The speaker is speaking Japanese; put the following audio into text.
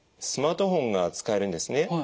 スマートフォンが使えるんですね。